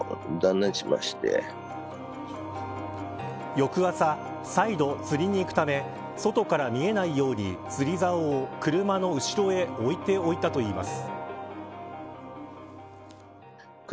翌朝、再度釣りに行くため外から見えないように釣りざおを車の後ろへ置いておいたといいます。